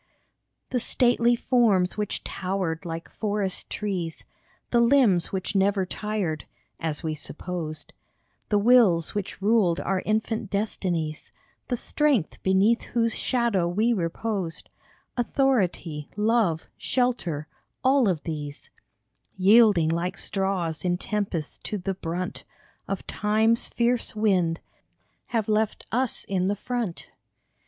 The stately forms which towered like forest trees, The limbs which never tired, (as we supposed !) The wills which ruled our infant destinies, The strength beneath whose shadow we reposed, Authority, love, shelter, all of these, IN THE FOREFRONT 93 Yielding like straws in tempest to the brunt Of Time's fierce wind, have left us in the front.